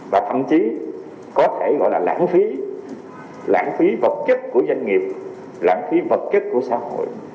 và thậm chí có thể gọi là lãng phí lãng phí vật chất của doanh nghiệp lãng phí vật chất của xã hội